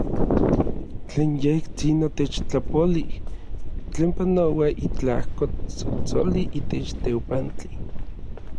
Tlen yejtsin otechtlapolij, tlen panoua itlajko tsotsoli itech teopantli.